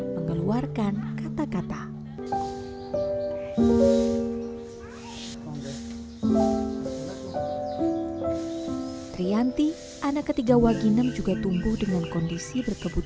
mengeluarkan kata kata yang sangat penting untuk mereka